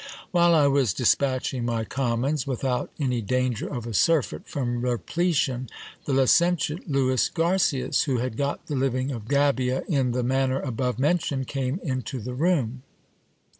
While I was dispatching my commons, without any danger of a surfeit from repletion, the licentiate Lewis Garcias, who had got the living of Gabia in the manner above mentioned, came into the room.